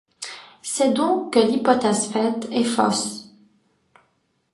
C'est donc que l'hypothèse faite est fausse.